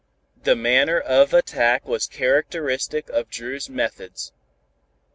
The manner of attack was characteristic of Dru's methods.